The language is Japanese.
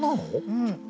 うん。